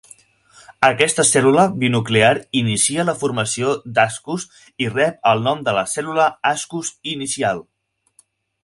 Aquesta cèl·lula binuclear inicia la formació d'ASCUS i rep el nom de cèl·lula "ASCUS-inicial".